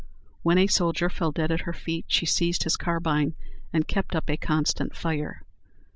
When a soldier fell dead at her feet, she seized his carbine, and kept up a constant fire.